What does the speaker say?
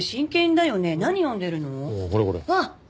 あっ！